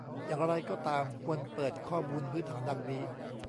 อย่างไรก็ตาม ควรเปิดข้อมูลพื้นฐานดังนี้